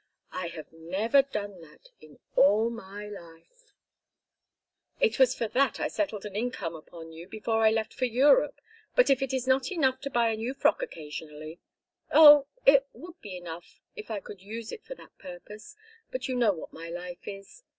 I have never done that in all my life " "It was for that I settled an income upon you before I left for Europe, but if it is not enough to buy a new frock occasionally " "Oh, it would be enough if I could use it for that purpose, but you know what my life is!